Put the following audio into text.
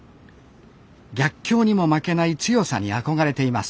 逆境にも負けない強さに憧れています